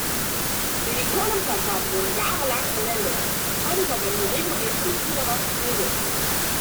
Silikonimplantate wurden jahrelang verwendet, bevor die Verwendung reguliert und überwacht wurde.